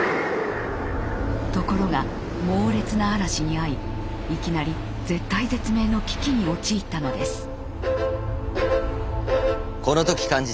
ところが猛烈な嵐に遭いいきなり絶体絶命の危機に陥ったのです。